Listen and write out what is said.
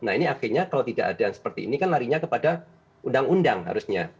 nah ini akhirnya kalau tidak ada yang seperti ini kan larinya kepada undang undang harusnya